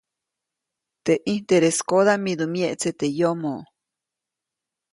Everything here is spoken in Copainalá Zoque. Teʼ ʼintereskoda midu myeʼtse teʼ yomoʼ.